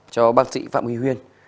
cho bác sĩ phạm huy huyên